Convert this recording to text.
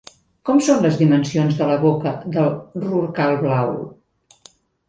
Com són les dimensions de la boca del rorqual blau?